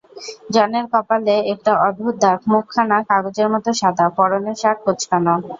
জনের কপালে একটা অদ্ভুত দাগ, মুখখানা কাগজের মতো সাদা, পরনের শার্ট কোঁচকানো।